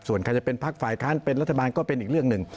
ส่วนใครจะเป็นพักฝ่ายค้านเป็นรัฐบาลก็เป็นอีกเรื่องหนึ่ง